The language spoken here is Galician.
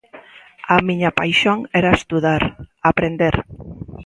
A miña paixón era estudar, aprender.